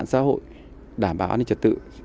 xã hội đảm bảo an ninh trật tự